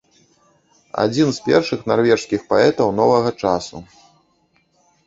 Адзін з першых нарвежскіх паэтаў новага часу.